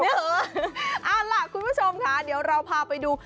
เอาล่ะคุณผู้ชมค่ะเดี๋ยวเราพาไปดู